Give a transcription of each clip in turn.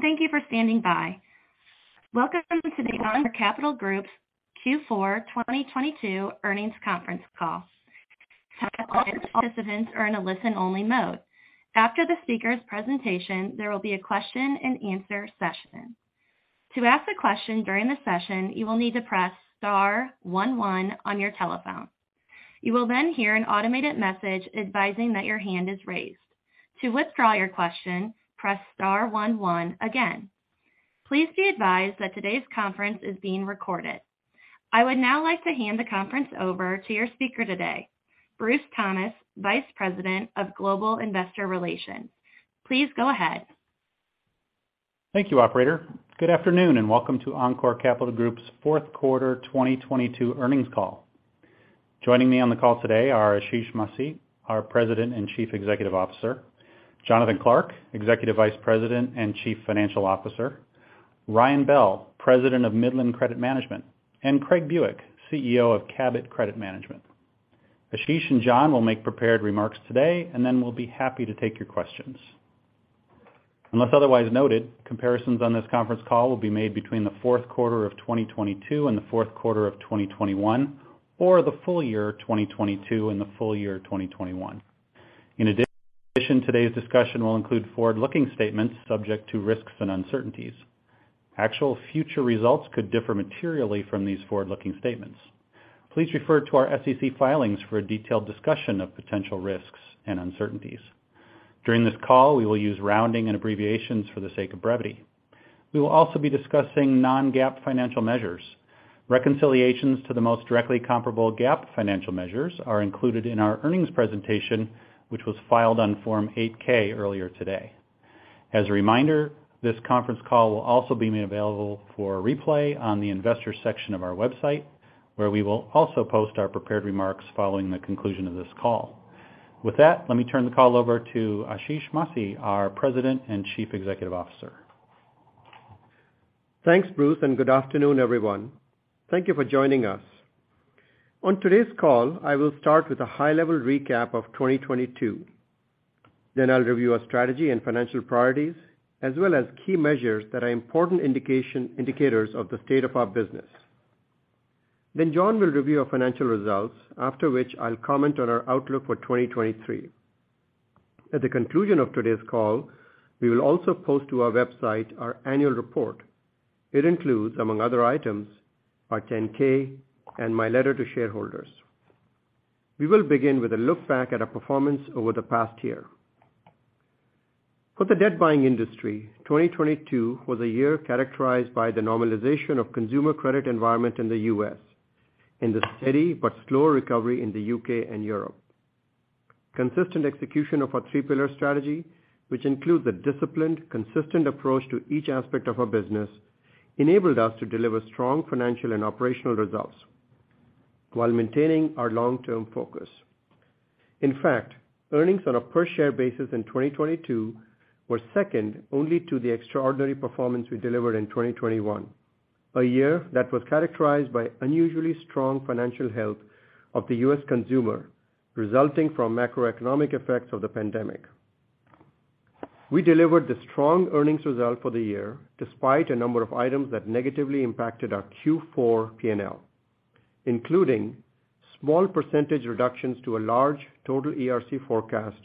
Thank you for standing by. Welcome to the Encore Capital Group's Q4 2022 earnings conference call. All participants are in a listen-only mode. After the speaker's presentation, there will be a question-and-answer session. To ask a question during the session, you will need to press star 11 on your telephone. You will then hear an automated message advising that your hand is raised. To withdraw your question, press star 11 again. Please be advised that today's conference is being recorded. I would now like to hand the conference over to your speaker today, Bruce Thomas, Vice President of Global Investor Relations. Please go ahead. Thank you, operator. Good afternoon, welcome to Encore Capital Group's fourth quarter 2022 earnings call. Joining me on the call today are Ashish Masih, our President and Chief Executive Officer, Jonathan Clark, Executive Vice President and Chief Financial Officer, Ryan Bell, President of Midland Credit Management, and Craig Buick, CEO of Cabot Credit Management. Ashish and John will make prepared remarks today, then we'll be happy to take your questions. Unless otherwise noted, comparisons on this conference call will be made between the fourth quarter of 2022 and the fourth quarter of 2021 or the full year of 2022 and the full year of 2021. Today's discussion will include forward-looking statements subject to risks and uncertainties. Actual future results could differ materially from these forward-looking statements. Please refer to our SEC filings for a detailed discussion of potential risks and uncertainties. During this call, we will use rounding and abbreviations for the sake of brevity. We will also be discussing non-GAAP financial measures. Reconciliations to the most directly comparable GAAP financial measures are included in our earnings presentation, which was filed on Form 8-K earlier today. As a reminder, this conference call will also be made available for replay on the investors section of our website, where we will also post our prepared remarks following the conclusion of this call. With that, let me turn the call over to Ashish Masih, our President and Chief Executive Officer. Thanks, Bruce. Good afternoon, everyone. Thank you for joining us. On today's call, I will start with a high-level recap of 2022. I'll review our strategy and financial priorities as well as key measures that are important indicators of the state of our business. John will review our financial results, after which I'll comment on our outlook for 2023. At the conclusion of today's call, we will also post to our website our annual report. It includes, among other items, our 10-K and my letter to shareholders. We will begin with a look back at our performance over the past year. For the debt buying industry, 2022 was a year characterized by the normalization of consumer credit environment in the U.S. and the steady but slow recovery in the U.K. and Europe. Consistent execution of our three-pillar strategy, which includes a disciplined, consistent approach to each aspect of our business, enabled us to deliver strong financial and operational results while maintaining our long-term focus. In fact, earnings on a per-share basis in 2022 were second only to the extraordinary performance we delivered in 2021, a year that was characterized by unusually strong financial health of the U.S. consumer, resulting from macroeconomic effects of the pandemic. We delivered the strong earnings result for the year despite a number of items that negatively impacted our Q4 P&L, including small percentage reductions to a large total ERC forecast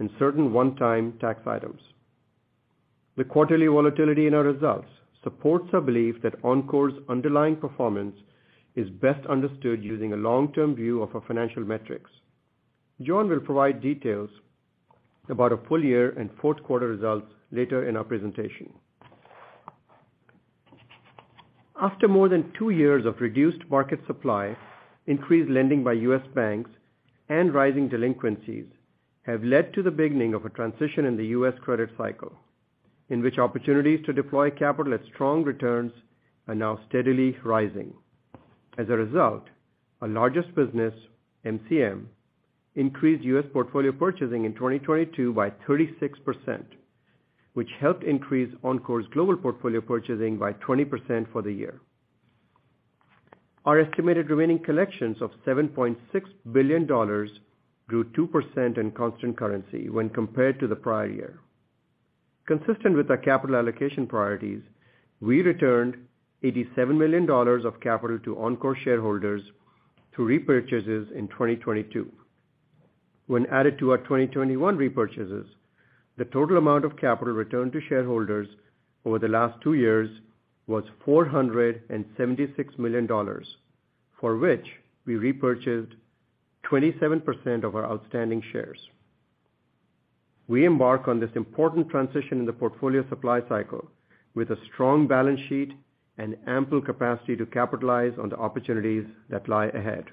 and certain one-time tax items. The quarterly volatility in our results supports our belief that Encore's underlying performance is best understood using a long-term view of our financial metrics. John will provide details about our full year and fourth quarter results later in our presentation. After more than two years of reduced market supply, increased lending by U.S. banks and rising delinquencies have led to the beginning of a transition in the U.S. credit cycle, in which opportunities to deploy capital at strong returns are now steadily rising. As a result, our largest business, MCM, increased U.S. portfolio purchasing in 2022 by 36%, which helped increase Encore's global portfolio purchasing by 20% for the year. Our estimated remaining collections of $7.6 billion grew 2% in constant currency when compared to the prior year. Consistent with our capital allocation priorities, we returned $87 million of capital to Encore shareholders through repurchases in 2022. When added to our 2021 repurchases, the total amount of capital returned to shareholders over the last two years was $476 million, for which we repurchased 27% of our outstanding shares. We embark on this important transition in the portfolio supply cycle with a strong balance sheet and ample capacity to capitalize on the opportunities that lie ahead.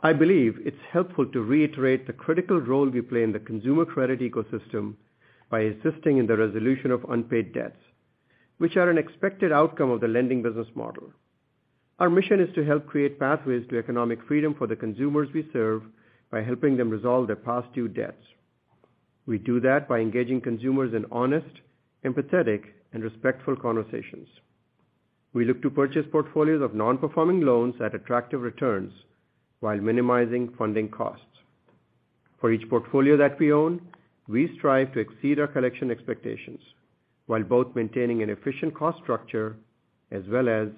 I believe it's helpful to reiterate the critical role we play in the consumer credit ecosystem by assisting in the resolution of unpaid debts, which are an expected outcome of the lending business model. Our mission is to help create pathways to economic freedom for the consumers we serve by helping them resolve their past due debts. We do that by engaging consumers in honest, empathetic, and respectful conversations. We look to purchase portfolios of non-performing loans at attractive returns while minimizing funding costs. For each portfolio that we own, we strive to exceed our collection expectations while both maintaining an efficient cost structure as well as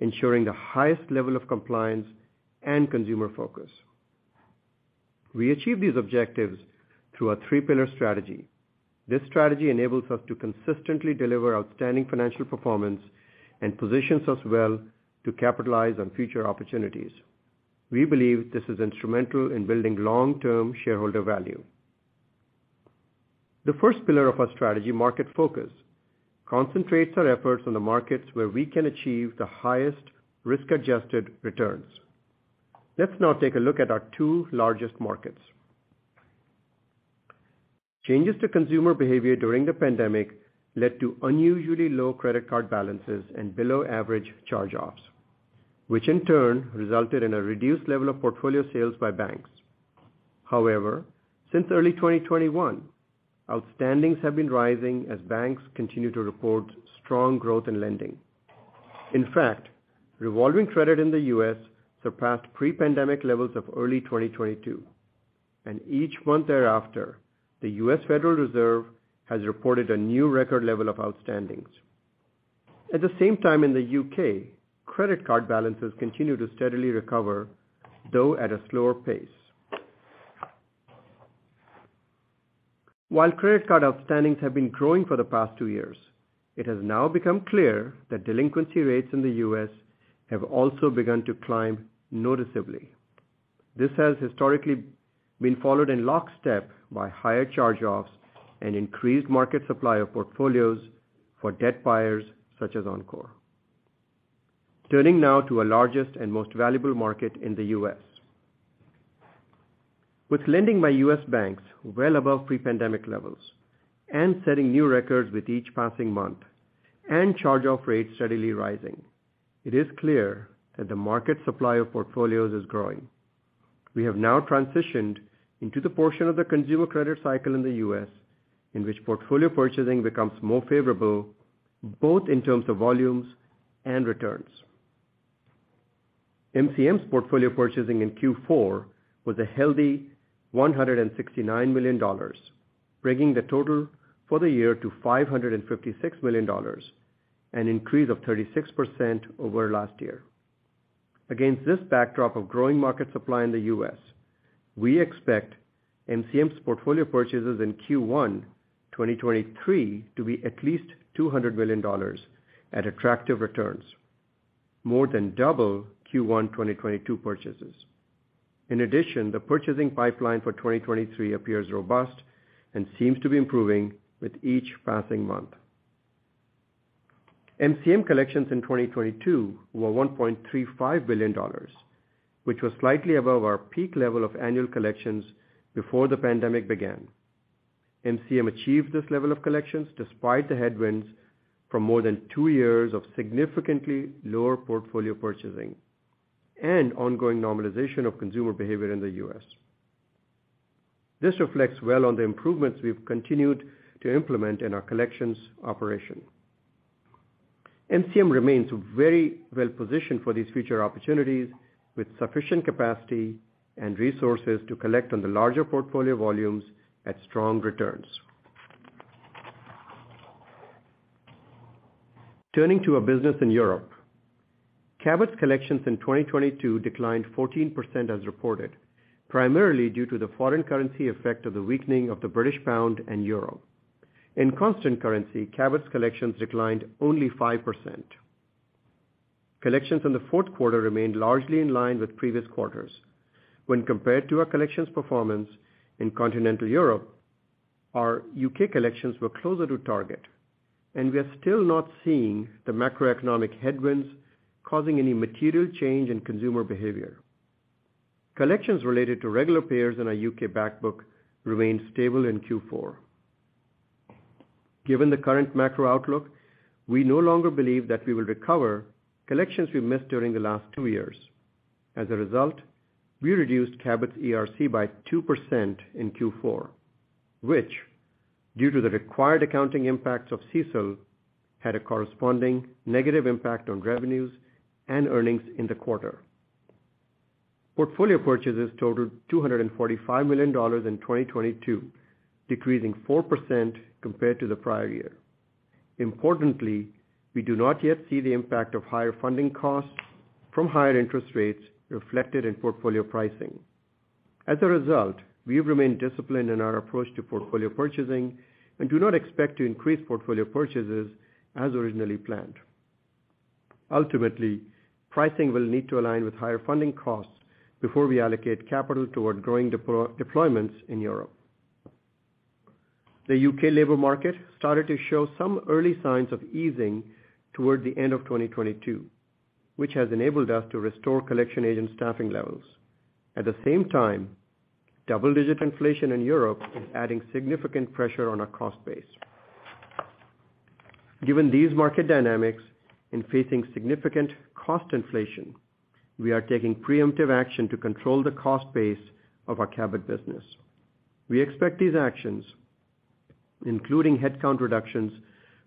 ensuring the highest level of compliance and consumer focus. We achieve these objectives through a three-pillar strategy. This strategy enables us to consistently deliver outstanding financial performance and positions us well to capitalize on future opportunities. We believe this is instrumental in building long-term shareholder value. The first pillar of our strategy, market focus, concentrates our efforts on the markets where we can achieve the highest risk-adjusted returns. Let's now take a look at our two largest markets. Changes to consumer behavior during the pandemic led to unusually low credit card balances and below-average charge-offs, which in turn resulted in a reduced level of portfolio sales by banks. Since early 2021, outstandings have been rising as banks continue to report strong growth in lending. In fact, revolving credit in the U.S. surpassed pre-pandemic levels of early 2022, and each month thereafter, the U.S. Federal Reserve has reported a new record level of outstandings. At the same time in the U.K., credit card balances continue to steadily recover, though at a slower pace. While credit card outstandings have been growing for the past 2 years, it has now become clear that delinquency rates in the U.S. have also begun to climb noticeably. This has historically been followed in lockstep by higher charge-offs and increased market supply of portfolios for debt buyers such as Encore. Turning now to our largest and most valuable market in the U.S. With lending by U.S. banks well above pre-pandemic levels and setting new records with each passing month and charge-off rates steadily rising, it is clear that the market supply of portfolios is growing. We have now transitioned into the portion of the consumer credit cycle in the U.S. in which portfolio purchasing becomes more favorable, both in terms of volumes and returns. MCM's portfolio purchasing in Q4 was a healthy $169 million, bringing the total for the year to $556 million, an increase of 36% over last year. Against this backdrop of growing market supply in the U.S., we expect MCM's portfolio purchases in Q1 2023 to be at least $200 million at attractive returns, more than double Q1 2022 purchases. In addition, the purchasing pipeline for 2023 appears robust and seems to be improving with each passing month. MCM collections in 2022 were $1.35 billion which was slightly above our peak level of annual collections before the pandemic began. MCM achieved this level of collections despite the headwinds from more than 2 years of significantly lower portfolio purchasing and ongoing normalization of consumer behavior in the U.S. This reflects well on the improvements we've continued to implement in our collections operation. MCM remains very well-positioned for these future opportunities with sufficient capacity and resources to collect on the larger portfolio volumes at strong returns. Turning to our business in Europe. Cabot's collections in 2022 declined 14% as reported, primarily due to the foreign currency effect of the weakening of the GBP and EUR. In constant currency, Cabot's collections declined only 5%. Collections in the fourth quarter remained largely in line with previous quarters. When compared to our collections performance in continental Europe, our U.K. collections were closer to target, and we are still not seeing the macroeconomic headwinds causing any material change in consumer behavior. Collections related to regular payers in our U.K. back book remained stable in Q4. Given the current macro outlook, we no longer believe that we will recover collections we've missed during the last two years. As a result, we reduced Cabot's ERC by 2% in Q4, which, due to the required accounting impacts of CECL, had a corresponding negative impact on revenues and earnings in the quarter. Portfolio purchases totaled $245 million in 2022, decreasing 4% compared to the prior year. Importantly, we do not yet see the impact of higher funding costs from higher interest rates reflected in portfolio pricing. As a result, we have remained disciplined in our approach to portfolio purchasing and do not expect to increase portfolio purchases as originally planned. Ultimately, pricing will need to align with higher funding costs before we allocate capital toward growing deployments in Europe. The UK labor market started to show some early signs of easing toward the end of 2022 which has enabled us to restore collection agent staffing levels. At the same time, double-digit inflation in Europe is adding significant pressure on our cost base. Given these market dynamics and facing significant cost inflation, we are taking preemptive action to control the cost base of our Cabot business. We expect these actions, including headcount reductions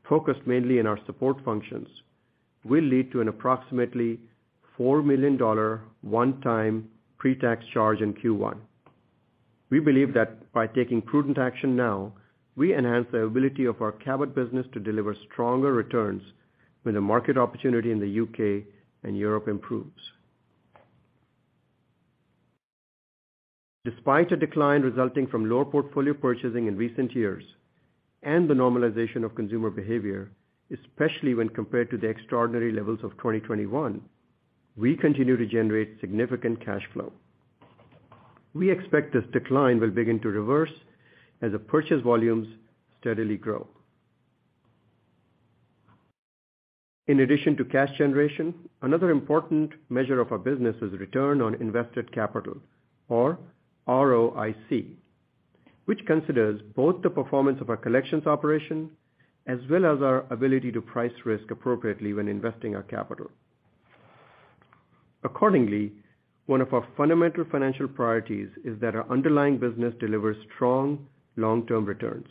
focused mainly in our support functions, will lead to an approximately $4 million one-time pre-tax charge in Q1. We believe that by taking prudent action now, we enhance the ability of our Cabot business to deliver stronger returns when the market opportunity in the UK and Europe improves. Despite a decline resulting from lower portfolio purchasing in recent years and the normalization of consumer behavior, especially when compared to the extraordinary levels of 2021, we continue to generate significant cash flow. We expect this decline will begin to reverse as the purchase volumes steadily grow. In addition to cash generation, another important measure of our business is return on invested capital, or ROIC, which considers both the performance of our collections operation as well as our ability to price risk appropriately when investing our capital. Accordingly, one of our fundamental financial priorities is that our underlying business delivers strong long-term returns.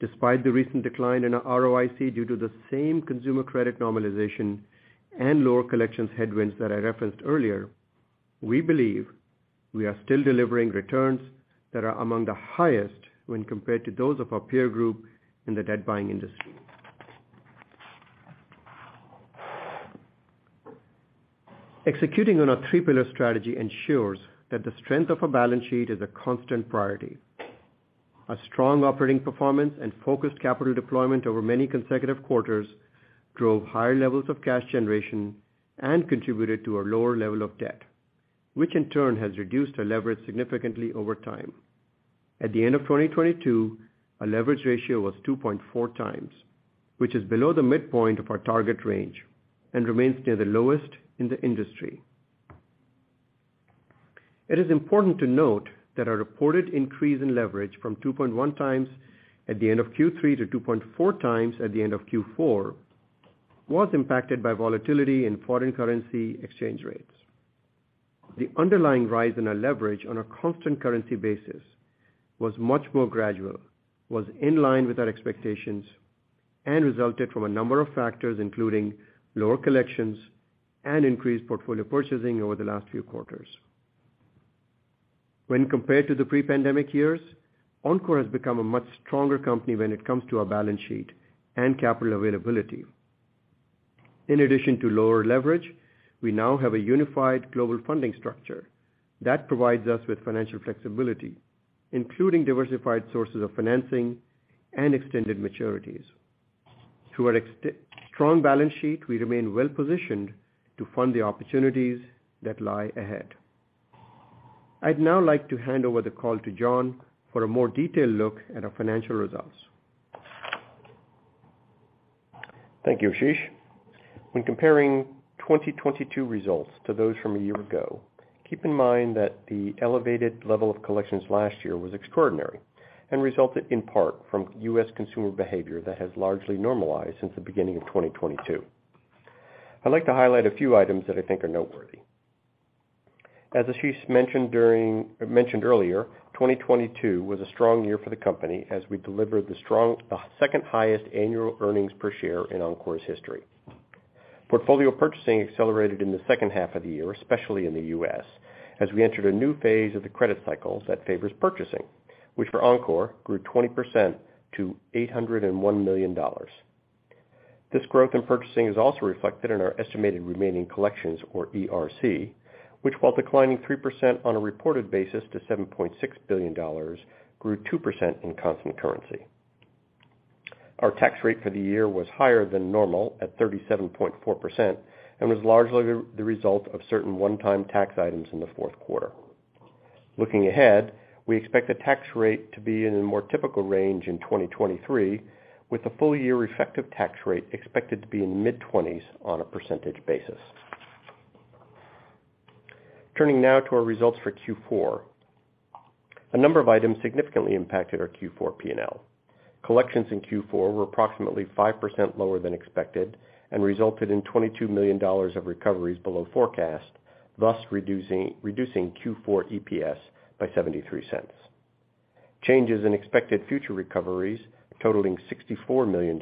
Despite the recent decline in our ROIC due to the same consumer credit normalization and lower collections headwinds that I referenced earlier, we believe we are still delivering returns that are among the highest when compared to those of our peer group in the debt buying industry. Executing on our 3 pillar strategy ensures that the strength of our balance sheet is a constant priority. A strong operating performance and focused capital deployment over many consecutive quarters drove higher levels of cash generation and contributed to a lower level of debt, which in turn has reduced our leverage significantly over time. At the end of 2022, our leverage ratio was 2.4 times, which is below the midpoint of our target range and remains near the lowest in the industry. It is important to note that our reported increase in leverage from 2.1 times at the end of Q3 to 2.4 times at the end of Q4 was impacted by volatility in foreign currency exchange rates. The underlying rise in our leverage on a constant currency basis was much more gradual, was in line with our expectations, and resulted from a number of factors, including lower collections and increased portfolio purchasing over the last few quarters. When compared to the pre-pandemic years, Encore has become a much stronger company when it comes to our balance sheet and capital availability. In addition to lower leverage, we now have a unified global funding structure that provides us with financial flexibility, including diversified sources of financing and extended maturities. Through our strong balance sheet we remain well-positioned to fund the opportunities that lie ahead. I'd now like to hand over the call to John for a more detailed look at our financial results. Thank you, Ashish. When comparing 2022 results to those from a year ago, keep in mind that the elevated level of collections last year was extraordinary and resulted in part from U.S. consumer behavior that has largely normalized since the beginning of 2022. I'd like to highlight a few items that I think are noteworthy. As Ashish mentioned earlier, 2022 was a strong year for the company as we delivered the second highest annual earnings per share in Encore's history. Portfolio purchasing accelerated in the second half of the year, especially in the U.S., as we entered a new phase of the credit cycle that favors purchasing, which for Encore grew 20% to $801 million. This growth in purchasing is also reflected in our estimated remaining collections, or ERC, which, while declining 3% on a reported basis to $7.6 billion, grew 2% in constant currency. Our tax rate for the year was higher than normal at 37.4% and was largely the result of certain one-time tax items in the fourth quarter. Looking ahead, we expect the tax rate to be in a more typical range in 2023, with the full year effective tax rate expected to be in mid-20s on a percentage basis. Turning now to our results for Q4. A number of items significantly impacted our Q4 P&L. Collections in Q4 were approximately 5% lower than expected and resulted in $22 million of recoveries below forecast, thus reducing Q4 EPS by $0.73. Changes in expected future recoveries totaling $64 million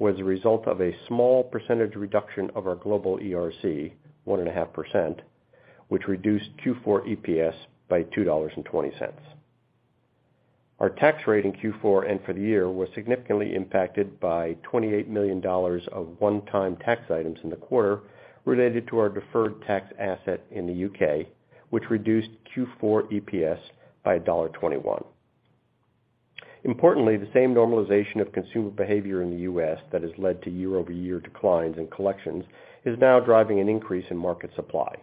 was a result of a small percentage reduction of our global ERC, 1.5%, which reduced Q4 EPS by $2.20. Our tax rate in Q4 and for the year was significantly impacted by $28 million of one-time tax items in the U.K., which reduced Q4 EPS by $1.21. The same normalization of consumer behavior in the U.S. that has led to year-over-year declines in collections is now driving an increase in market supply.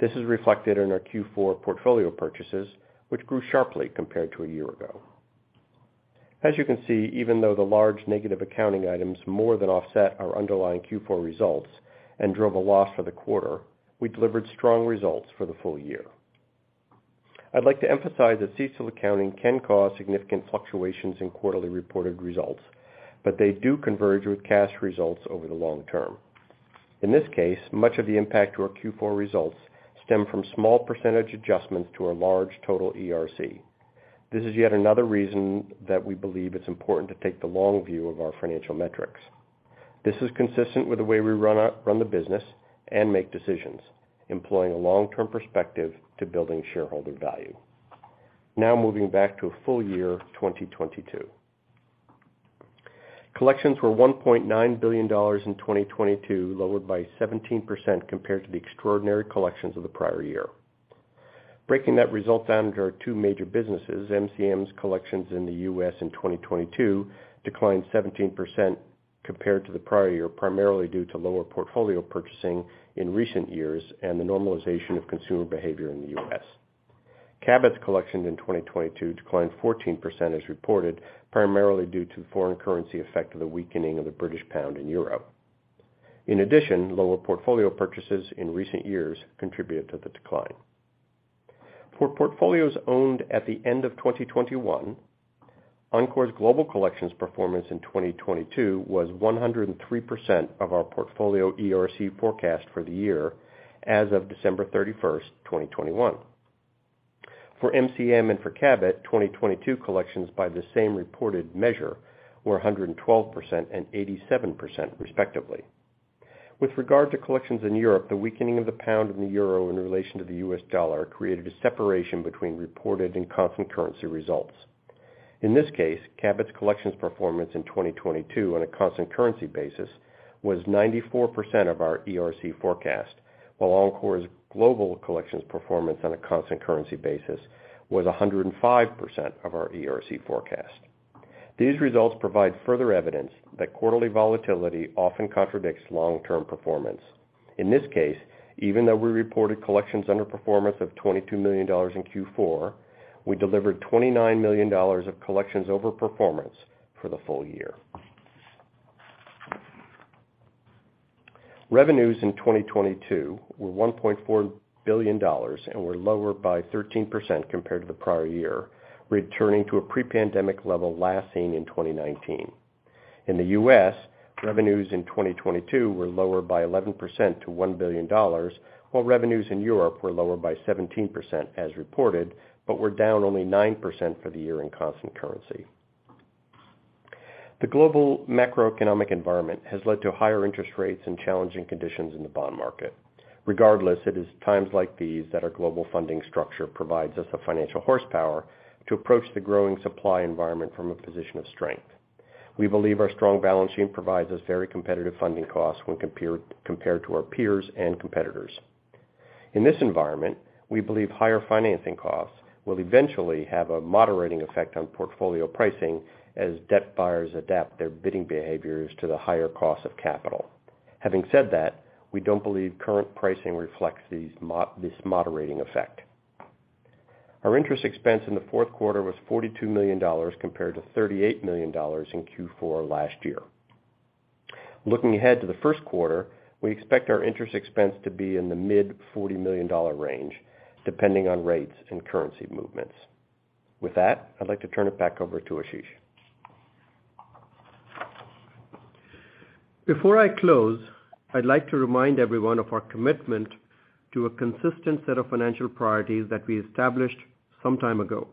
This is reflected in our Q4 portfolio purchases, which grew sharply compared to a year ago. As you can see, even though the large negative accounting items more than offset our underlying Q4 results and drove a loss for the quarter, we delivered strong results for the full year. I'd like to emphasize that CECL accounting can cause significant fluctuations in quarterly reported results, but they do converge with cash results over the long term. In this case, much of the impact to our Q4 results stem from small % adjustments to our large total ERC. This is yet another reason that we believe it's important to take the long view of our financial metrics. This is consistent with the way we run the business and make decisions, employing a long-term perspective to building shareholder value. Moving back to full year 2022. Collections were $1.9 billion in 2022, lowered by 17% compared to the extraordinary collections of the prior year. Breaking that result down into our two major businesses, MCM's collections in the U.S. in 2022 declined 17% compared to the prior year, primarily due to lower portfolio purchasing in recent years and the normalization of consumer behavior in the U.S. Cabot's collections in 2022 declined 14% as reported, primarily due to foreign currency effect of the weakening of the British pound and euro. In addition, lower portfolio purchases in recent years contributed to the decline. For portfolios owned at the end of 2021, Encore's global collections performance in 2022 was 103% of our portfolio ERC forecast for the year as of December 31st, 2021. For MCM and for Cabot, 2022 collections by the same reported measure were 112% and 87% respectively. With regard to collections in Europe, the weakening of the pound and the euro in relation to the US dollar created a separation between reported and constant currency results. In this case, Cabot's collections performance in 2022 on a constant currency basis was 94% of our ERC forecast, while Encore's global collections performance on a constant currency basis was 105% of our ERC forecast. These results provide further evidence that quarterly volatility often contradicts long-term performance. In this case, even though we reported collections underperformance of $22 million in Q4, we delivered $29 million of collections overperformance for the full year. Revenues in 2022 were $1.4 billion and were lower by 13% compared to the prior year, returning to a pre-pandemic level last seen in 2019. In the US, revenues in 2022 were lower by 11% to $1 billion, while revenues in Europe were lower by 17% as reported, but were down only 9% for the year in constant currency. The global macroeconomic environment has led to higher interest rates and challenging conditions in the bond market. Regardless, it is times like these that our global funding structure provides us the financial horsepower to approach the growing supply environment from a position of strength. We believe our strong balance sheet provides us very competitive funding costs when compared to our peers and competitors. In this environment, we believe higher financing costs will eventually have a moderating effect on portfolio pricing as debt buyers adapt their bidding behaviors to the higher cost of capital. Having said that, we don't believe current pricing reflects this moderating effect. Our interest expense in the fourth quarter was $42 million, compared to $38 million in Q4 last year. Looking ahead to the first quarter, we expect our interest expense to be in the mid-$40 million range, depending on rates and currency movements. With that, I'd like to turn it back over to Ashish. Before I close, I'd like to remind everyone of our commitment to a consistent set of financial priorities that we established some time ago.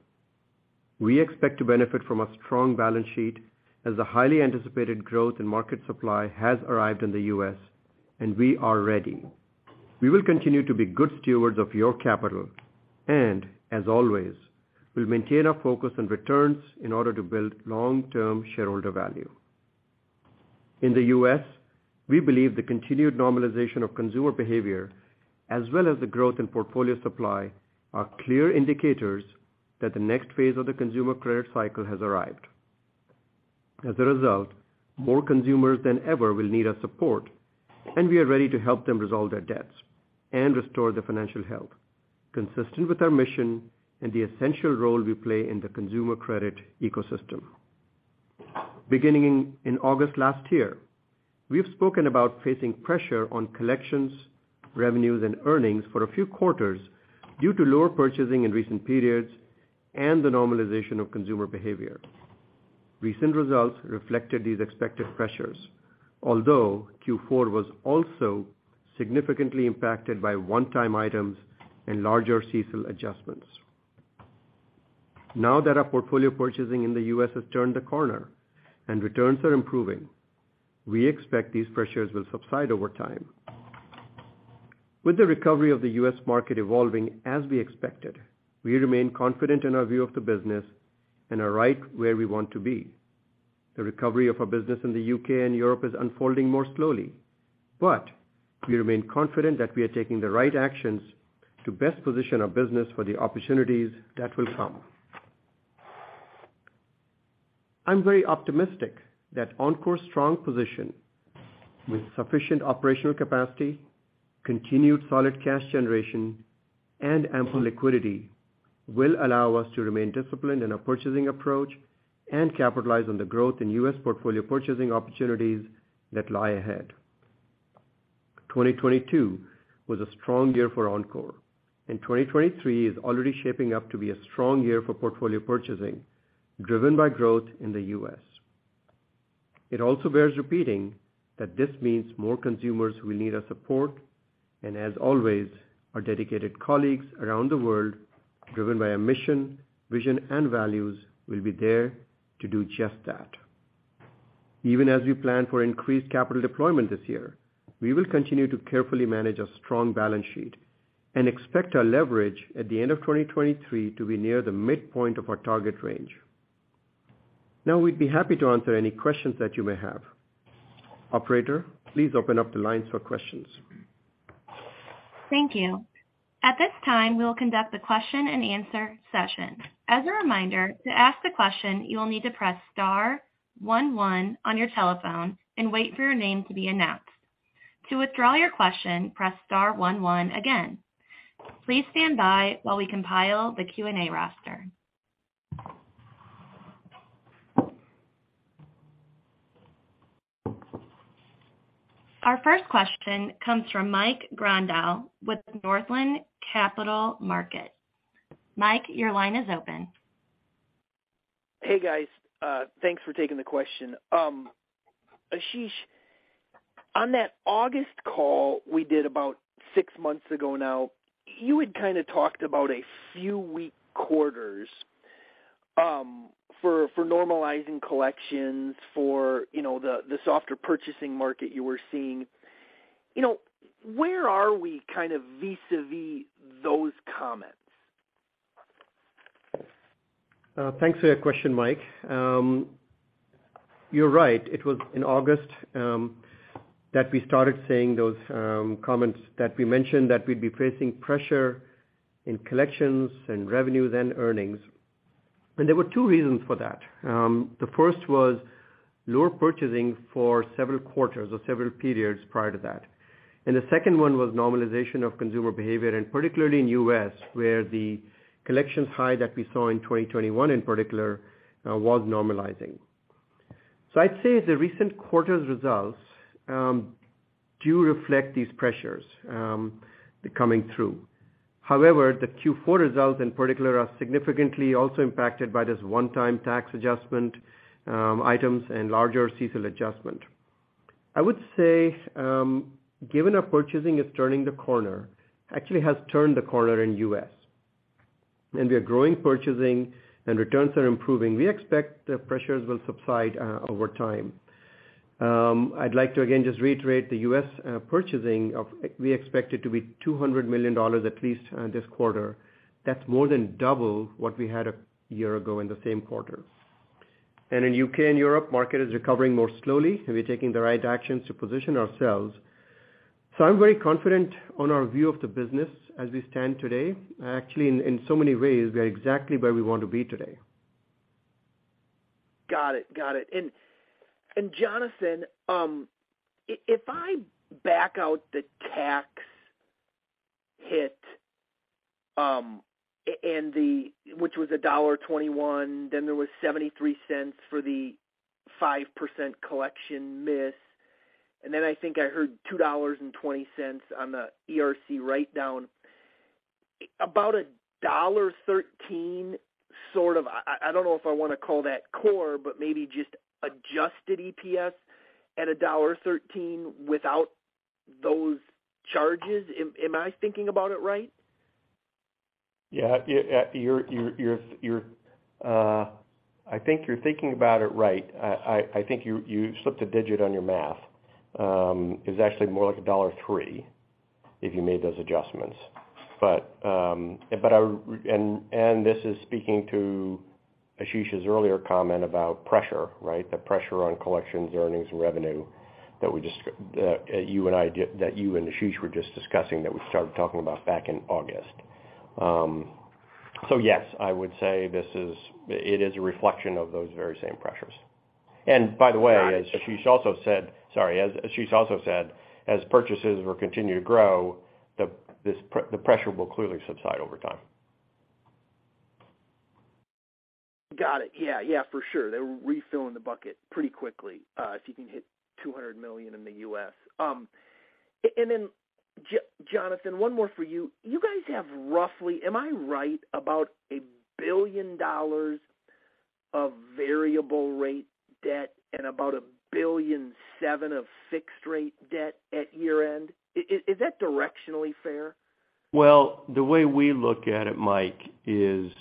We expect to benefit from a strong balance sheet as the highly anticipated growth in market supply has arrived in the U.S. We are ready. We will continue to be good stewards of your capital. As always, we'll maintain our focus on returns in order to build long-term shareholder value. In the U.S., we believe the continued normalization of consumer behavior as well as the growth in portfolio supply are clear indicators that the next phase of the consumer credit cycle has arrived. As a result, more consumers than ever will need our support. We are ready to help them resolve their debts and restore their financial health, consistent with our mission and the essential role we play in the consumer credit ecosystem. Beginning in August last year, we have spoken about facing pressure on collections, revenues, and earnings for a few quarters due to lower purchasing in recent periods and the normalization of consumer behavior. Recent results reflected these expected pressures. Q4 was also significantly impacted by one-time items and larger CECL adjustments. Now that our portfolio purchasing in the US has turned a corner and returns are improving, we expect these pressures will subside over time. With the recovery of the US market evolving as we expected, we remain confident in our view of the business and are right where we want to be. The recovery of our business in the UK and Europe is unfolding more slowly, but we remain confident that we are taking the right actions to best position our business for the opportunities that will come. I'm very optimistic that Encore's strong position with sufficient operational capacity, continued solid cash generation, and ample liquidity will allow us to remain disciplined in our purchasing approach and capitalize on the growth in U.S. portfolio purchasing opportunities that lie ahead. 2022 was a strong year for Encore. 2023 is already shaping up to be a strong year for portfolio purchasing. Driven by growth in the U.S. It also bears repeating that this means more consumers will need our support, and as always, our dedicated colleagues around the world, driven by our mission, vision, and values, will be there to do just that. Even as we plan for increased capital deployment this year, we will continue to carefully manage a strong balance sheet and expect our leverage at the end of 2023 to be near the midpoint of our target range. We'd be happy to answer any questions that you may have. Operator, please open up the lines for questions. Thank you. At this time, we will conduct a question-and-answer session. As a reminder, to ask the question, you will need to press star one one on your telephone and wait for your name to be announced. To withdraw your question, press star one one again. Please stand by while we compile the Q&A roster. Our first question comes from Mike Grondahl with Northland Capital Markets. Mike, your line is open. Hey, guys. Thanks for taking the question. Ashish, on that August call we did about six months ago now, you had kinda talked about a few weak quarters, for normalizing collections for, you know, the softer purchasing market you were seeing. You know, where are we kind of vis-a-vis those comments? Thanks for that question, Mike. You're right. It was in August that we started saying those comments that we mentioned that we'd be facing pressure in collections and revenues and earnings. There were two reasons for that. The first was lower purchasing for several quarters or several periods prior to that. The second one was normalization of consumer behavior, and particularly in U.S., where the collection high that we saw in 2021 in particular, was normalizing. I'd say the recent quarter's results do reflect these pressures coming through. However, the Q4 results in particular are significantly also impacted by this one-time tax adjustment, items and larger CECL adjustment. I would say, given our purchasing is turning the corner, actually has turned the corner in U.S., and we are growing purchasing and returns are improving, we expect the pressures will subside over time. I'd like to again just reiterate the U.S. purchasing we expect it to be $200 million at least this quarter. That's more than double what we had a year ago in the same quarter. In U.K. and Europe, market is recovering more slowly, and we're taking the right actions to position ourselves. I'm very confident on our view of the business as we stand today. Actually, in so many ways, we are exactly where we want to be today. Got it. Got it. Jonathan, if I back out the tax hit, and the... Which was $1.21, then there was $0.73 for the 5% collection miss, and then I think I heard $2.20 on the ERC write-down. About $1.13, sort of, I don't know if I wanna call that core, but maybe just adjusted EPS at $1.13 without those charges. Am I thinking about it right? Yeah. Yeah, you're, I think you're thinking about it right. I think you slipped a digit on your math. It's actually more like $1.03 if you made those adjustments. This is speaking to Ashish's earlier comment about pressure, right? The pressure on collections, earnings, and revenue that we just, you and I that you and Ashish were just discussing, that we started talking about back in August. Yes, I would say this is, it is a reflection of those very same pressures. By the way. Got it. Sorry. As Ashish also said, as purchases will continue to grow, the pressure will clearly subside over time. Got it. Yeah, yeah, for sure. They're refilling the bucket pretty quickly, if you can hit $200 million in the U.S. Jonathan, one more for you. You guys have roughly, am I right, about $1 billion of variable rate debt and about $1.7 billion of fixed rate debt at year-end? Is that directionally fair? Well, the way we look at it, Mike, is,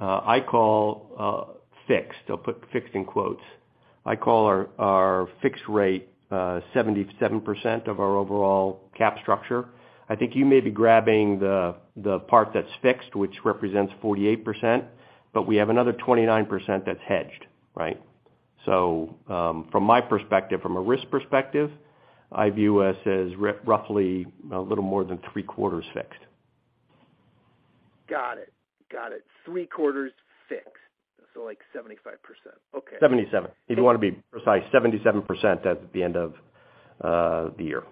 I call fixed. I'll put fixed in quotes. I call our fixed rate 77% of our overall cap structure. I think you may be grabbing the part that's fixed, which represents 48%, but we have another 29% that's hedged, right? From my perspective, from a risk perspective, I view us as roughly a little more than three-quarters fixed. Got it. Got it. Three-quarters fixed, so like 75%. Okay. 77. If you wanna be precise, 77% as at the end of the year.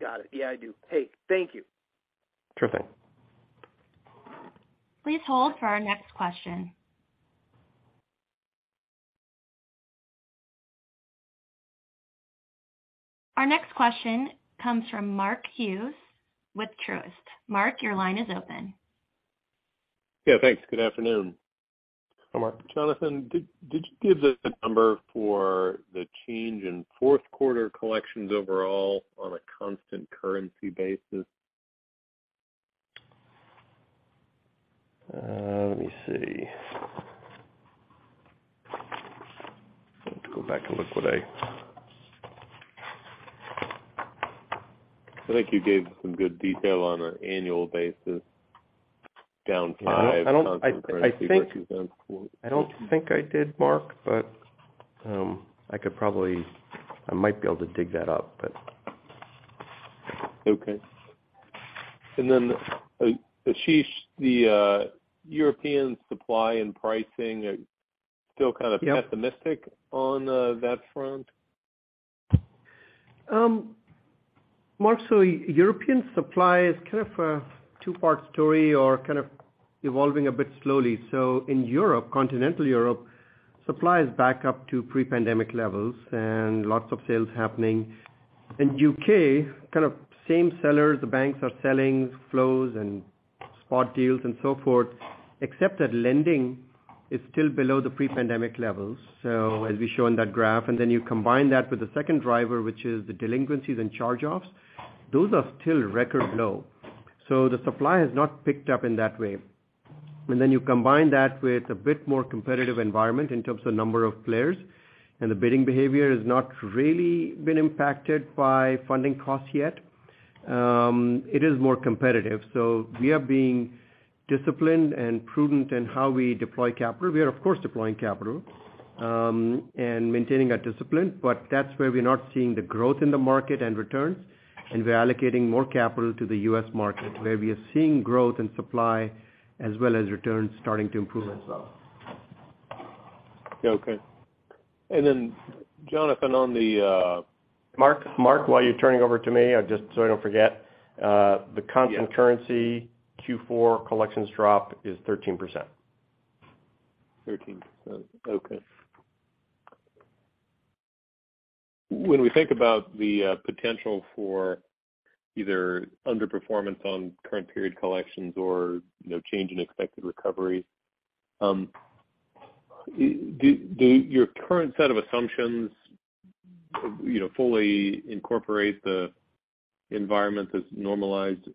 Got it. Yeah, I do. Hey, thank you. Sure thing. Please hold for our next question. Our next question comes from Mark Hughes with Truist. Mark, your line is open. Yeah, thanks. Good afternoon. Hi, Mark. Jonathan, did you give the number for the change in fourth quarter collections overall on a constant currency basis? Let me see. Let me go back and look. I think you gave some good detail on an annual basis down- I don't, I think. -constant currency versus- I don't think I did Mark, but I might be able to dig that up, but. Okay. Ashish, the European supply and pricing are still kind of. Yep. Pessimistic on, that front? Mark, European supply is kind of a two-part story or kind of evolving a bit slowly. In Europe, continental Europe, supply is back up to pre-pandemic levels and lots of sales happening. In UK, kind of same sellers, the banks are selling flows and spot deals and so forth, except that lending is still below the pre-pandemic levels. As we show on that graph, and then you combine that with the second driver, which is the delinquencies and charge-offs, those are still record low. The supply has not picked up in that way. You combine that with a bit more competitive environment in terms of number of players, and the bidding behavior has not really been impacted by funding costs yet. It is more competitive. We are being disciplined and prudent in how we deploy capital. We are of course deploying capital, and maintaining our discipline, but that's where we're not seeing the growth in the market and returns. We're allocating more capital to the U.S. market, where we are seeing growth in supply as well as returns starting to improve as well. Okay. Jonathan, on the. Mark, while you're turning over to me, just so I don't forget. Yeah. -currency Q4 collections drop is 13%. 13%. Okay. When we think about the potential for either underperformance on current period collections or, you know, change in expected recovery, do your current set of assumptions, you know, fully incorporate the environment that's normalized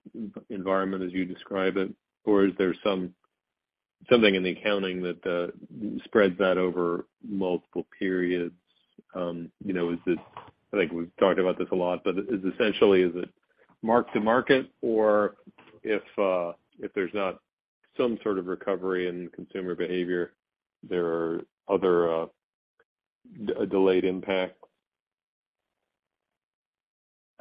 environment as you describe it? Is there something in the accounting that spreads that over multiple periods? You know, is it I think we've talked about this a lot, but is essentially is it mark to market or if there's not some sort of recovery in consumer behavior, there are other, delayed impacts?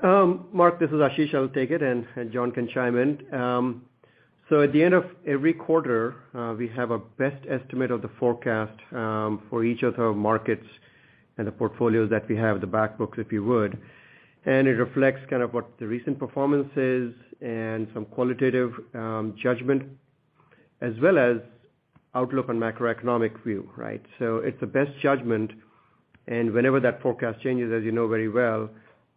Mark, this is Ashish. I'll take it and Jon can chime in. So at the end of every quarter, we have a best estimate of the forecast for each of our markets and the portfolios that we have, the back books, if you would. It reflects kind of what the recent performance is and some qualitative judgment as well as outlook on macroeconomic view, right? It's the best judgment. Whenever that forecast changes, as you know very well,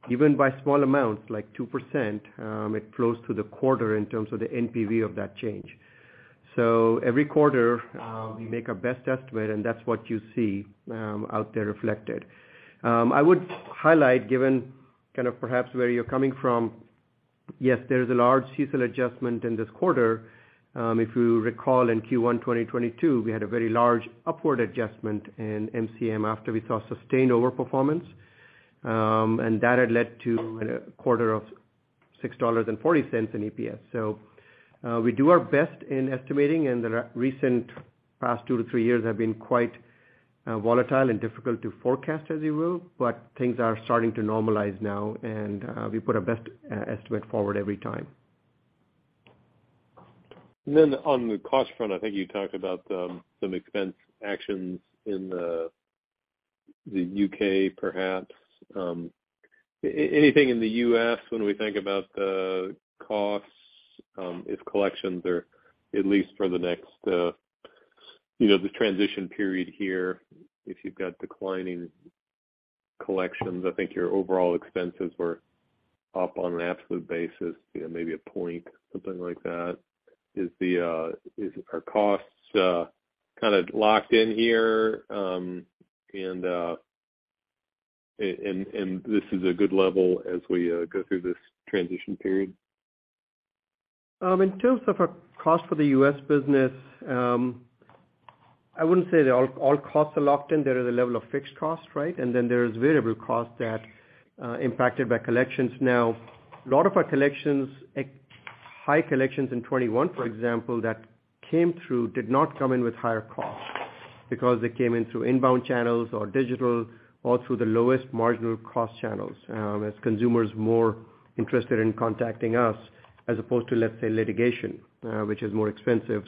even by small amounts, like 2%, it flows to the quarter in terms of the NPV of that change. Every quarter, we make our best estimate, and that's what you see out there reflected. I would highlight given kind of perhaps where you're coming from, yes, there is a large CECL adjustment in this quarter. If you recall, in Q1 2022, we had a very large upward adjustment in MCM after we saw sustained overperformance. That had led to a quarter of $6.40 in EPS. We do our best in estimating, and the recent past two to three years have been quite volatile and difficult to forecast, as you will. Things are starting to normalize now, and we put our best estimate forward every time. Then on the cost front, I think you talked about some expense actions in the UK perhaps. Anything in the US when we think about the costs, if collections are at least for the next, you know, the transition period here, if you've got declining collections, I think your overall expenses were up on an absolute basis, you know, maybe a point, something like that. Are costs kinda locked in here, and this is a good level as we go through this transition period? In terms of our cost for the U.S. business, I wouldn't say that all costs are locked in. There is a level of fixed cost, right, and then there is variable cost that impacted by collections. A lot of our collections, high collections in 2021, for example, that came through did not come in with higher costs because they came in through inbound channels or digital or through the lowest marginal cost channels, as consumers more interested in contacting us as opposed to, let's say, litigation, which is more expensive.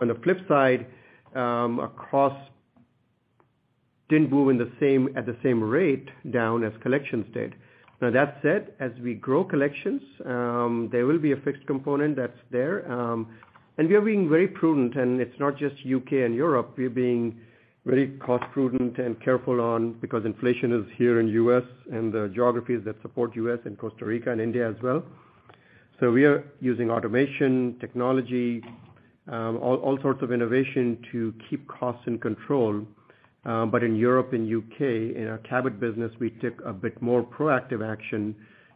On the flip side, our costs didn't move at the same rate down as collections did. That said, as we grow collections, there will be a fixed component that's there. We are being very prudent, and it's not just U.K. and Europe. We're being very cost-prudent and careful on because inflation is here in U.S. and the geographies that support U.S. and Costa Rica and India as well. We are using automation, technology, all sorts of innovation to keep costs in control. In Europe and U.K., in our Cabot business, we took a bit more proactive action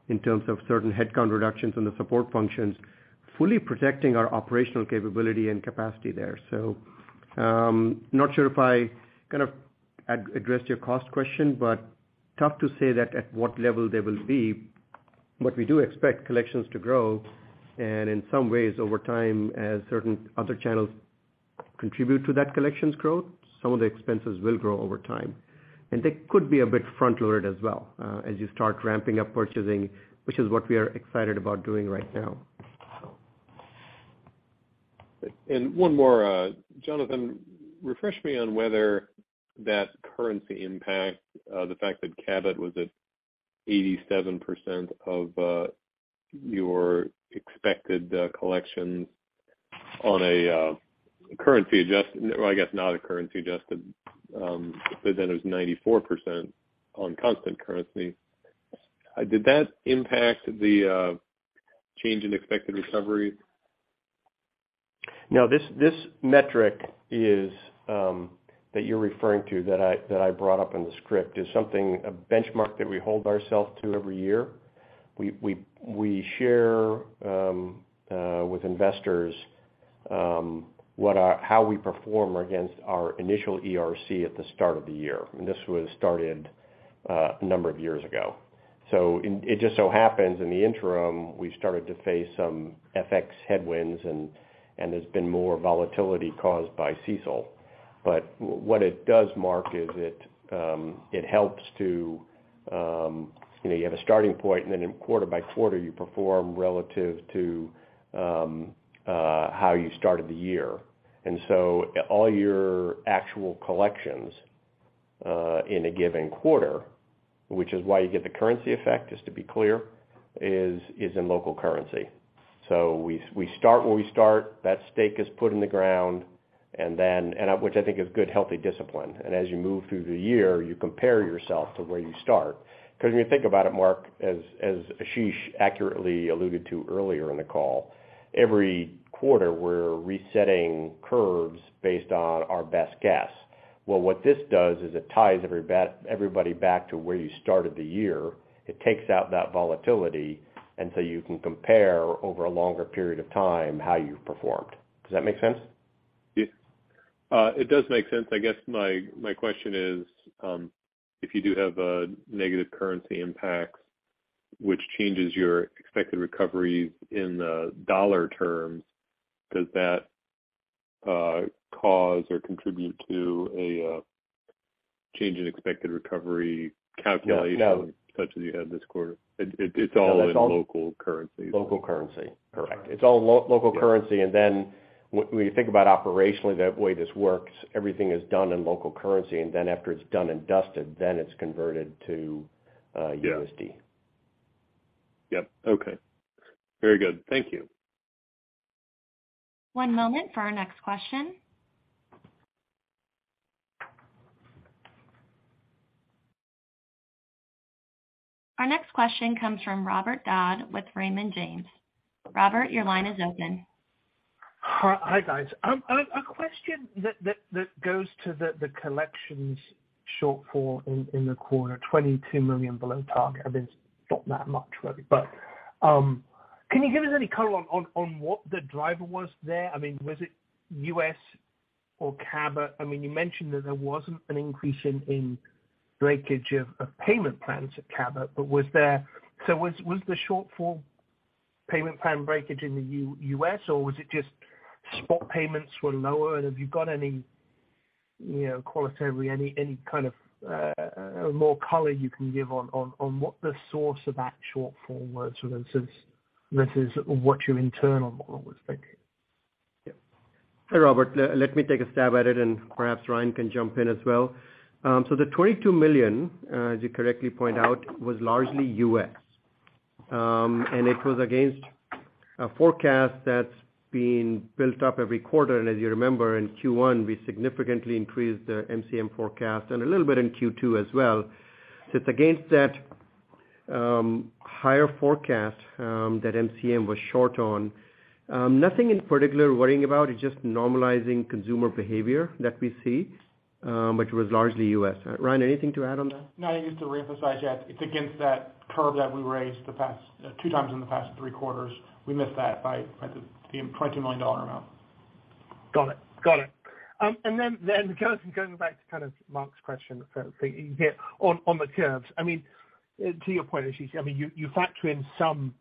in terms of certain headcount reductions in the support functions, fully protecting our operational capability and capacity there. Not sure if I kind of addressed your cost question, but tough to say that at what level they will be. We do expect collections to grow, and in some ways over time, as certain other channels contribute to that collections growth, some of the expenses will grow over time. They could be a bit front-loaded as well, as you start ramping up purchasing, which is what we are excited about doing right now. One more, Jonathan, refresh me on whether that currency impact, the fact that Cabot was at 87% of your expected collections on a, well, I guess not a currency adjusted, but then it was 94% on constant currency. Did that impact the change in expected recovery? No. This metric is, that you're referring to, that I brought up in the script, is something, a benchmark that we hold ourselves to every year. We share, with investors, how we perform against our initial ERC at the start of the year. This was started, a number of years ago. It just so happens in the interim, we started to face some FX headwinds and there's been more volatility caused by CECL. What it does, Mark, is it helps to, you know, you have a starting point, and then in quarter by quarter, you perform relative to, how you started the year. All your actual collections in a given quarter, which is why you get the currency effect, just to be clear, is in local currency. We start where we start, that stake is put in the ground, which I think is good, healthy discipline. As you move through the year, you compare yourself to where you start. Cause when you think about it, Mark, as Ashish accurately alluded to earlier in the call, every quarter, we're resetting curves based on our best guess. Well, what this does is it ties everybody back to where you started the year. It takes out that volatility, and so you can compare over a longer period of time how you've performed. Does that make sense? It does make sense. I guess my question is, if you do have a negative currency impact, which changes your expected recoveries in the dollar terms, does that cause or contribute to a change in expected recovery calculation? No. such as you had this quarter? It's all in local currencies. Local currency. Correct. It's all local currency. Yeah. When you think about operationally, the way this works, everything is done in local currency, and then after it's done and dusted, then it's converted to USD. Yeah. Yep. Okay. Very good. Thank you. One moment for our next question. Our next question comes from Robert Dodd with Raymond James. Robert, your line is open. Hi, guys. A question that goes to the collections shortfall in the quarter, $22 million below target. I mean, it's not that much really. Can you give us any color on what the driver was there? I mean, was it U.S. or Cabot? I mean, you mentioned that there wasn't an increase in breakage of payment plans at Cabot, but was the shortfall payment plan breakage in the U.S., or was it just spot payments were lower? Have you got any, you know, qualitatively any kind of more color you can give on what the source of that shortfall was, sort of, since this is what your internal model was thinking? Yeah. Hi, Robert. Let me take a stab at it and perhaps Ryan can jump in as well. The $22 million, as you correctly point out, was largely U.S. It was against a forecast that's been built up every quarter. As you remember, in Q1, we significantly increased the MCM forecast and a little bit in Q2 as well. It's against that higher forecast that MCM was short on. Nothing in particular we're worrying about. It's just normalizing consumer behavior that we see, which was largely U.S. Ryan, anything to add on that? No, I think just to reemphasize, yeah, it's against that curve that we raised the past, 2 times in the past 3 quarters. We missed that by the $20 million amount. Got it. Got it. Then going back to kind of Mark's question for you here on the curves. I mean, to your point, Ashish, I mean, you factor in some,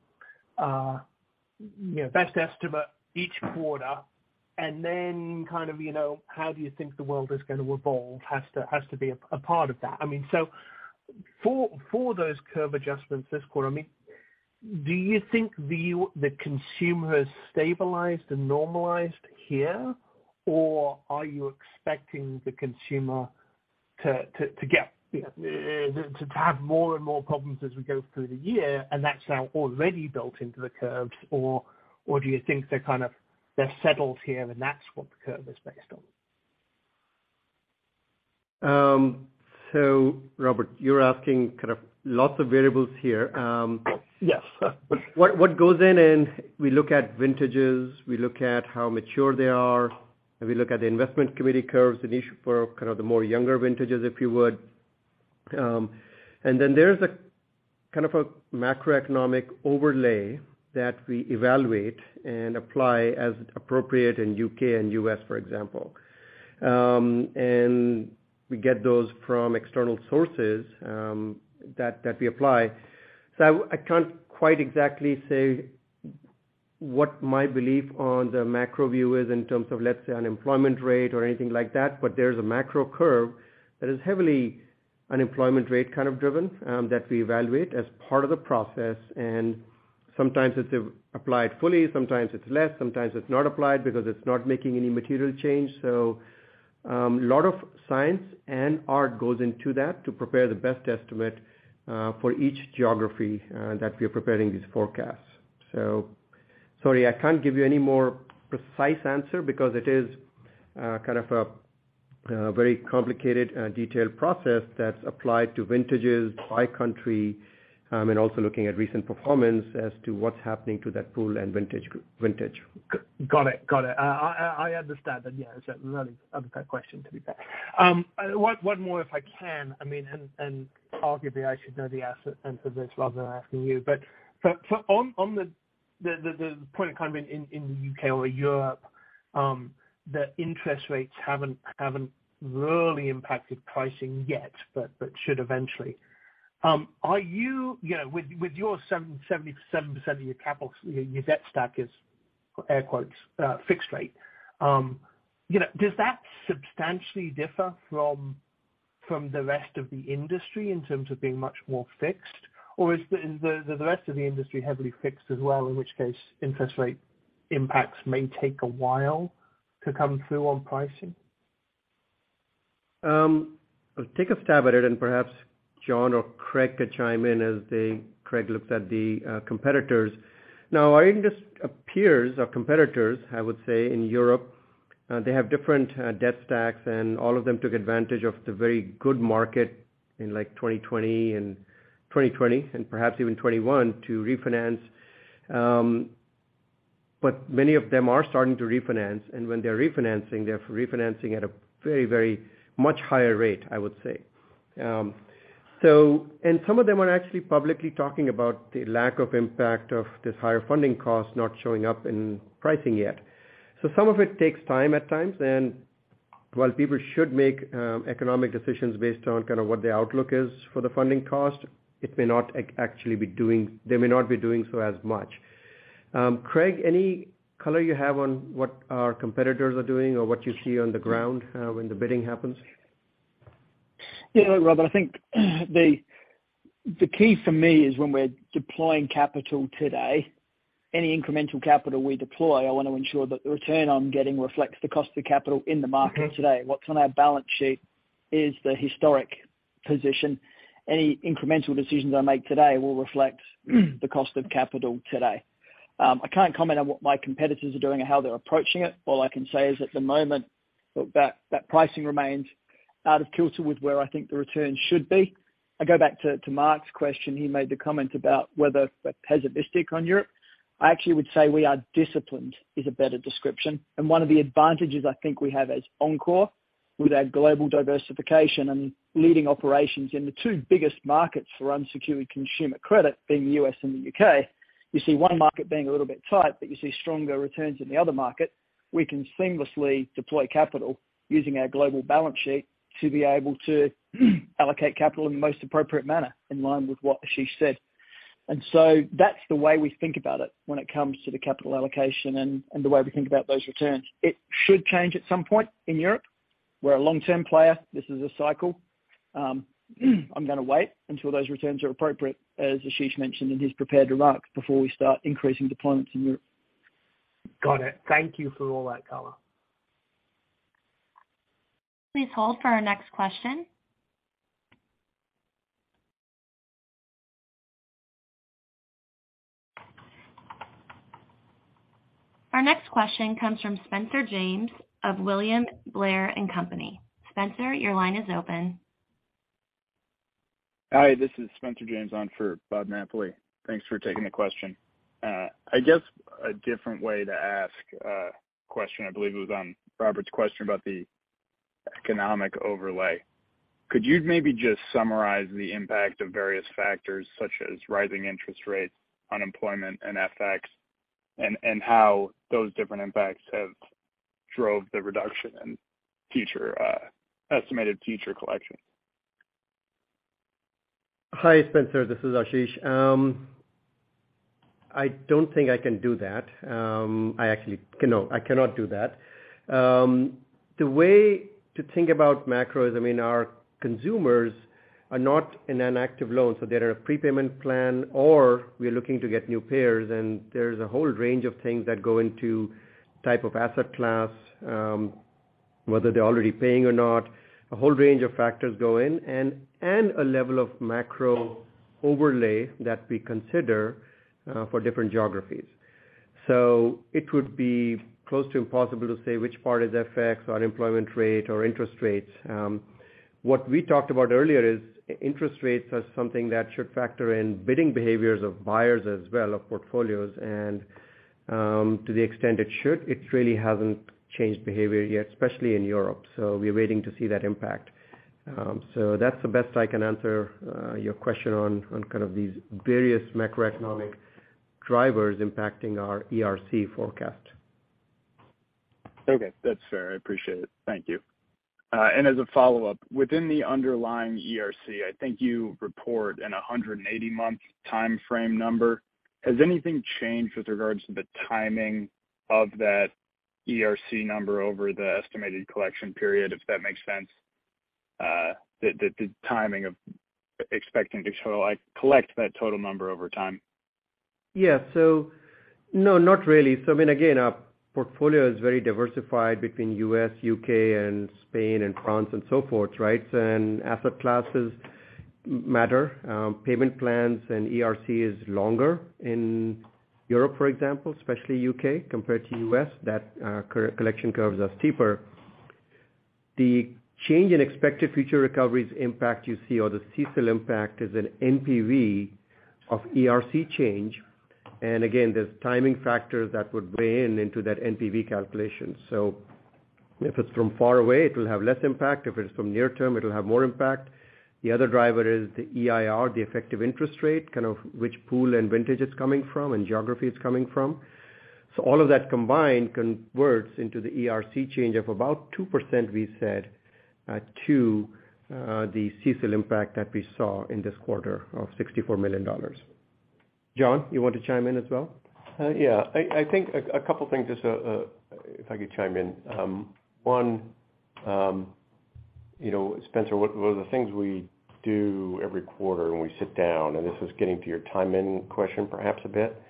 you know, best estimate each quarter, and then kind of, you know, how do you think the world is gonna evolve has to be a part of that. I mean, so for those curve adjustments this quarter, I mean, do you think the consumer has stabilized and normalized here? Or are you expecting the consumer to get, you know, to have more and more problems as we go through the year, and that's now already built into the curves? Or do you think they're kind of, they're settled here and that's what the curve is based on? Robert, you're asking kind of lots of variables here. Yes. What goes in and we look at vintages, we look at how mature they are, and we look at the investment committee curves initially for kind of the more younger vintages, if you would. Then there's a kind of a macroeconomic overlay that we evaluate and apply as appropriate in the U.K. and U.S., for example. We get those from external sources that we apply. I can't quite exactly say what my belief on the macro view is in terms of, let's say, unemployment rate or anything like that, but there's a macro curve that is heavily unemployment rate kind of driven that we evaluate as part of the process. Sometimes it's applied fully, sometimes it's less, sometimes it's not applied because it's not making any material change. A lot of science and art goes into that to prepare the best estimate, for each geography, that we are preparing these forecasts. Sorry, I can't give you any more precise answer because it is, kind of a very complicated and detailed process that's applied to vintages by country, and also looking at recent performance as to what's happening to that pool and vintage. Got it. Got it. I understand that. Yeah, it's a really unfair question, to be fair. One more if I can. I mean, and arguably, I should know the answer to this rather than asking you. But on the point of kind of in the U.K. or Europe, the interest rates haven't really impacted pricing yet, but should eventually. Are you know, with your 77% of your capital, your debt stack is air quotes fixed rate. You know, does that substantially differ from the rest of the industry in terms of being much more fixed? Or is the rest of the industry heavily fixed as well, in which case interest rate impacts may take a while to come through on pricing? I'll take a stab at it, and perhaps John or Craig could chime in as Craig looks at the competitors. Now, our industry peers or competitors, I would say in Europe, they have different debt stacks, and all of them took advantage of the very good market in like 2020 and perhaps even 2021 to refinance. Many of them are starting to refinance, and when they're refinancing, they're refinancing at a very, very much higher rate, I would say. Some of them are actually publicly talking about the lack of impact of this higher funding cost not showing up in pricing yet. Some of it takes time at times. While people should make economic decisions based on kind of what the outlook is for the funding cost, it may not actually be doing so as much. Craig, any color you have on what our competitors are doing or what you see on the ground when the bidding happens? Well, Robert, I think the key for me is when we're deploying capital today. Any incremental capital we deploy, I want to ensure that the return I'm getting reflects the cost of capital in the market today. What's on our balance sheet is the historic position. Any incremental decisions I make today will reflect the cost of capital today. I can't comment on what my competitors are doing or how they're approaching it. All I can say is at the moment that pricing remains out of kilter with where I think the return should be. I go back to Mark's question. He made the comment about whether we're pessimistic on Europe. I actually would say we are disciplined is a better description. One of the advantages I think we have as Encore with our global diversification and leading operations in the two biggest markets for unsecured consumer credit being the US and the UK. You see one market being a little bit tight, but you see stronger returns in the other market. We can seamlessly deploy capital using our global balance sheet to be able to allocate capital in the most appropriate manner in line with what Ashish said. That's the way we think about it when it comes to the capital allocation and the way we think about those returns. It should change at some point in Europe. We're a long-term player. This is a cycle. I'm gonna wait until those returns are appropriate, as Ashish mentioned in his prepared remarks, before we start increasing deployments in Europe. Got it. Thank you for all that color. Please hold for our next question. Our next question comes from Spencer James of William Blair & Company. Spencer, your line is open. Hi, this is Spencer James on for Bob Napoli. Thanks for taking the question. I guess a different way to ask question, I believe it was on Robert's question about the economic overlay. Could you maybe just summarize the impact of various factors such as rising interest rates, unemployment, and FX, and how those different impacts have drove the reduction in future estimated future collections? Hi, Spencer, this is Ashish. I don't think I can do that. No, I cannot do that. The way to think about macro is, I mean, our consumers are not in an active loan, so they're in a prepayment plan, or we're looking to get new payers, and there's a whole range of things that go into type of asset class, whether they're already paying or not. A whole range of factors go in and a level of macro overlay that we consider for different geographies. It would be close to impossible to say which part is FX, unemployment rate or interest rates. What we talked about earlier is interest rates are something that should factor in bidding behaviors of buyers as well of portfolios and, to the extent it should, it really hasn't changed behavior yet, especially in Europe. We're waiting to see that impact. That's the best I can answer your question on kind of these various macroeconomic drivers impacting our ERC forecast. Okay. That's fair. I appreciate it. Thank you. As a follow-up, within the underlying ERC, I think you report in a 180-month timeframe number. Has anything changed with regards to the timing of that ERC number over the estimated collection period, if that makes sense? The, the timing of expecting collect that total number over time. No, not really. I mean, again, our portfolio is very diversified between US, UK and Spain and France and so forth, right? Asset classes matter, payment plans and ERC is longer in Europe, for example, especially UK compared to US, that collection curves are steeper. The change in expected future recoveries impact you see or the CECL impact is an NPV of ERC change. Again, there's timing factors that would play into that NPV calculation. If it's from far away, it will have less impact. If it's from near term, it'll have more impact. The other driver is the EIR, the effective interest rate, kind of which pool and vintage it's coming from and geography it's coming from. All of that combined converts into the ERC change of about 2%, we said, to the CECL impact that we saw in this quarter of $64 million. John, you want to chime in as well? Yeah. I think a couple things just to, if I could chime in. One, you know, Spencer, one of the things we do every quarter when we sit down, and this is getting to your timing question perhaps a bit,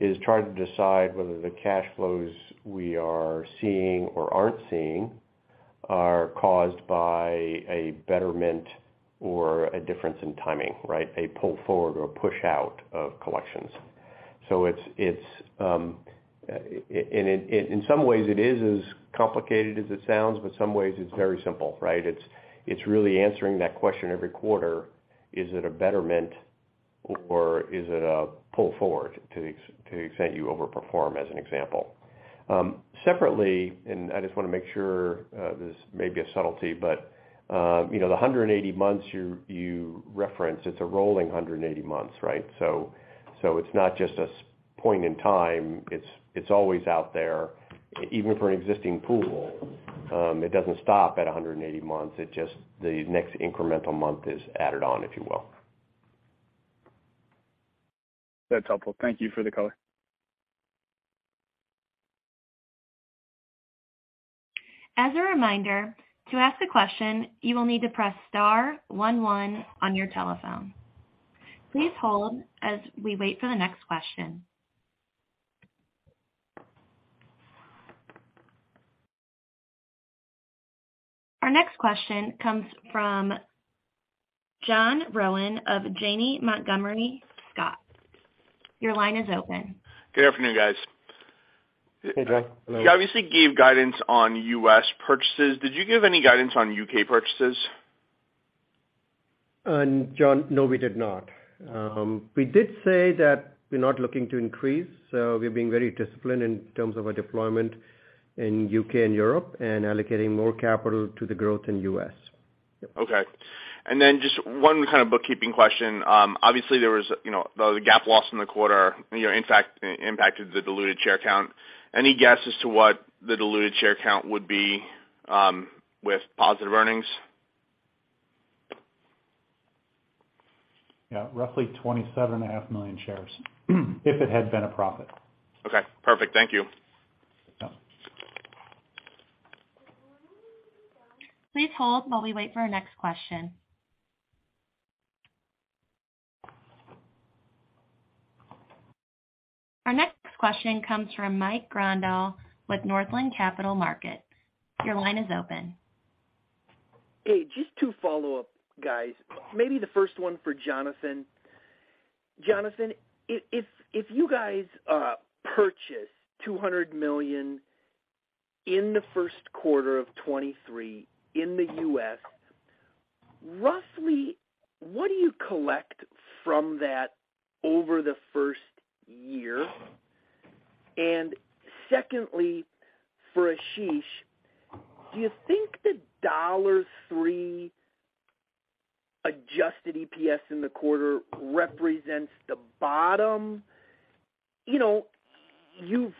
is try to decide whether the cash flows we are seeing or aren't seeing are caused by a betterment or a difference in timing, right? A pull forward or push out of collections. It's, in some ways it is as complicated as it sounds, but some ways it's very simple, right? It's really answering that question every quarter, is it a betterment or is it a pull forward to the extent you overperform as an example. Separately, I just wanna make sure, this may be a subtlety, but, you know, the 180 months you referenced, it's a rolling 180 months, right? It's not just a point in time, it's always out there even for an existing pool. It doesn't stop at 180 months. It just. The next incremental month is added on, if you will. That's helpful. Thank you for the color. As a reminder, to ask a question, you will need to press star one one on your telephone. Please hold as we wait for the next question. Our next question comes from John Rowan of Janney Montgomery Scott. Your line is open. Good afternoon, guys. Hey, John. Hello. You obviously gave guidance on U.S. purchases. Did you give any guidance on U.K. purchases? John, no, we did not. We did say that we're not looking to increase. We're being very disciplined in terms of our deployment in UK and Europe and allocating more capital to the growth in US. Okay. Just one kind of bookkeeping question. Obviously, there was, you know, the GAAP loss in the quarter, you know, in fact, impacted the diluted share count. Any guess as to what the diluted share count would be with positive earnings? Yeah, roughly 27 and a half million shares if it had been a profit. Okay, perfect. Thank you. Yeah. Please hold while we wait for our next question. Our next question comes from Mike Grondahl with Northland Capital Markets. Your line is open. Hey, just two follow-up, guys. The first one for Jonathan. Jonathan, if you guys purchase $200 million in the first quarter of 2023 in the U.S., roughly, what do you collect from that over the first year? Secondly, for Ashish, do you think the $3 adjusted EPS in the quarter represents the bottom? You know, you've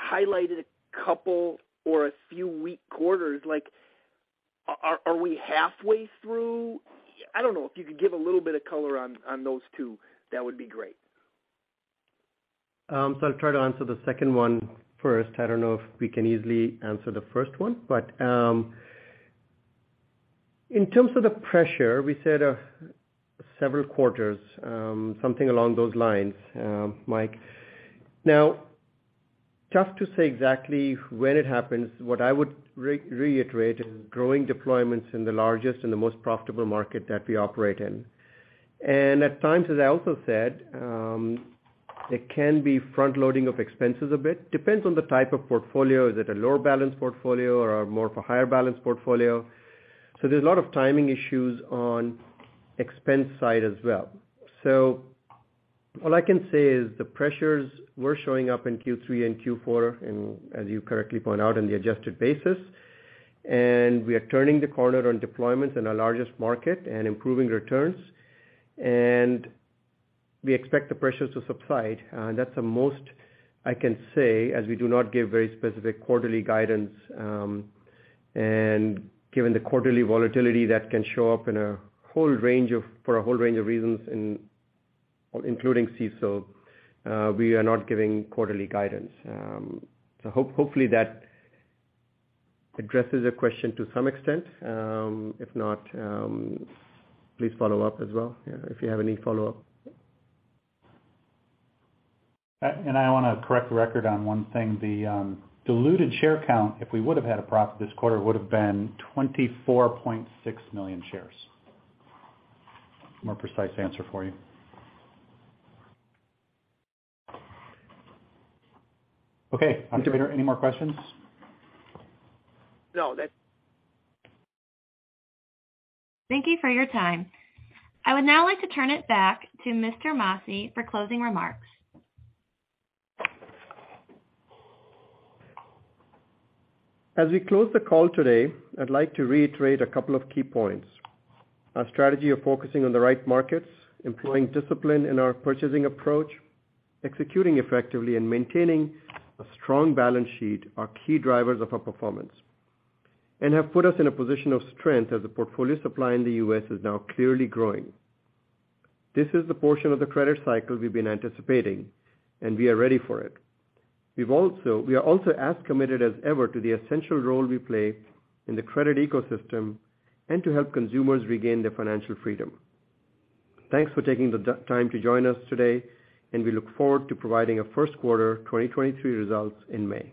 highlighted a couple or a few weak quarters. Like, are we halfway through? I don't know, if you could give a little bit of color on those two, that would be great. I'll try to answer the second one first. I don't know if we can easily answer the first one. In terms of the pressure, we said several quarters, something along those lines, Mike. Tough to say exactly when it happens. What I would reiterate is growing deployments in the largest and the most profitable market that we operate in. At times, as I also said, it can be front-loading of expenses a bit. Depends on the type of portfolio. Is it a lower balance portfolio or a more of a higher balance portfolio? There's a lot of timing issues on expense side as well. All I can say is the pressures were showing up in Q3 and Q4, and as you correctly point out, in the adjusted basis. We are turning the corner on deployments in our largest market and improving returns, and we expect the pressures to subside. That's the most I can say, as we do not give very specific quarterly guidance, and given the quarterly volatility that can show up for a whole range of reasons, and including CECL, we are not giving quarterly guidance. Hopefully that addresses your question to some extent. If not, please follow up as well, yeah, if you have any follow-up. I wanna correct the record on one thing. The diluted share count, if we would have had a profit this quarter, would have been 24.6 million shares. More precise answer for you. Okay. Operator, any more questions? No. Thank you for your time. I would now like to turn it back to Ashish Masih for closing remarks. As we close the call today, I'd like to reiterate a couple of key points. Our strategy of focusing on the right markets, employing discipline in our purchasing approach, executing effectively, and maintaining a strong balance sheet are key drivers of our performance and have put us in a position of strength as the portfolio supply in the U.S. is now clearly growing. This is the portion of the credit cycle we've been anticipating, we are ready for it. We are also as committed as ever to the essential role we play in the credit ecosystem and to help consumers regain their financial freedom. Thanks for taking the time to join us today, we look forward to providing our first quarter 2023 results in May.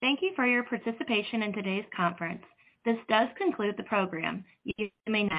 Thank you for your participation in today's conference. This does conclude the program. You may now disconnect.